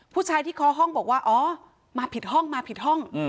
ผู้ชายที่คอห้องบอกว่าอ๋อมาผิดห้องมาผิดห้อง